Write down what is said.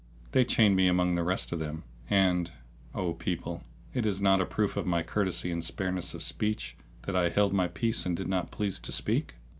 They chained me among the rest of them; and, O people, is it not a proof of my courtesy and spareness of speech, that I held my peace and did not please to speak?